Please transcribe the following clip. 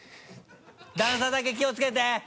段差だけ気を付けて！